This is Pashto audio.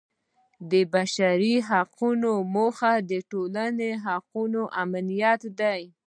د بشر د حقونو موخه د ټولنې حقوقو امنیت دی.